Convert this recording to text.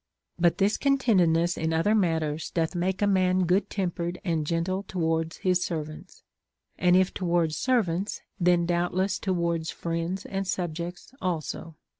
But this contentedness in other matters doth make a man good tempered and gentle towards his servants ; and if towards servants, then doubtless towards friends and sub jects also.